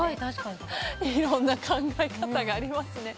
いろいろな考え方がありますね。